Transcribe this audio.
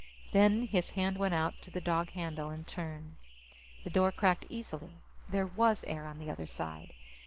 Then his hand went out to the dog handle and turned. The door cracked easily. There was air on the other side.